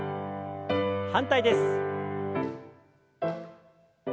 反対です。